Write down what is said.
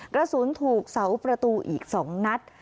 กระสุนถูกเสาประตูอีก๒นัด